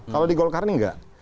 kalau di golkar ini enggak